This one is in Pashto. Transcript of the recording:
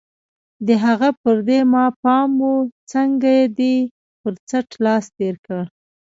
د هغه پر دې ما پام و، څنګه دې پر څټ لاس تېر کړ؟